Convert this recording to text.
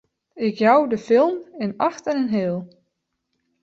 Ik jou de film in acht en in heal!